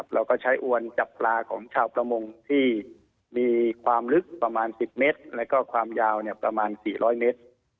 เราก็ใช้อวนจับปลาของชาวประมงที่มีความลึกประมาณ๑๐เมตรแล้วก็ความยาวประมาณ๔๐๐เมตร